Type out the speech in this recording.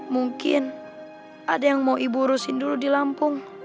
mungkin ada yang mau ibu urusin dulu di lampung